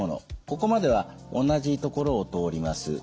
ここまでは同じところを通ります。